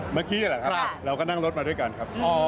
เมื่อกี้แหละครับเราก็นั่งรถมาด้วยกันครับ